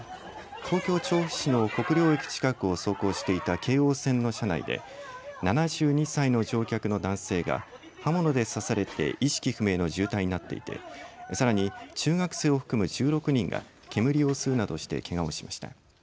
東京、調布市の国領駅近くを走行してた京王線の車内で７２歳の乗客の男性が刃物で刺されて意識不明の重体になっていてさらに、中学生を含む１６人が煙を吸うなどしてけがをしました。